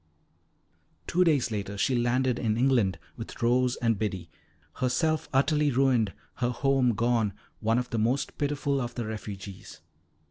Two days later, she landed in England with Rose and Biddy, herself utterly ruined, her home gone, one of the most pitiful of the refugees.